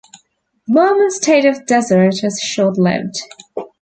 The Mormon State of Deseret was short-lived.